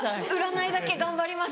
占いだけ頑張ります